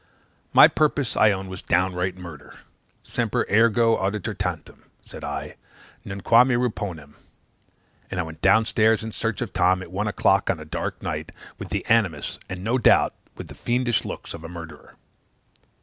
My purpose, I own, was downright murder. "Semper ego auditor tantum?" said I, "nunquamne reponam?" And I went down stairs in search of Tom at one o'clock on a dark night, with the "animus," and no doubt with the fiendish looks, of a murderer.